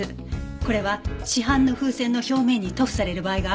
これは市販の風船の表面に塗布される場合があるそうです。